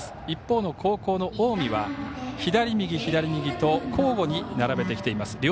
一方の後攻の近江は左右左右と交互に並べてきています。